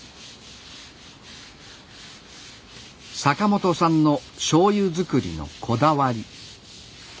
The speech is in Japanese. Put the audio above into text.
阪元さんのしょうゆづくりのこだわり